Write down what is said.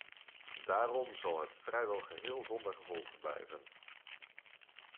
Daarom zal het vrijwel geheel zonder gevolgen blijven.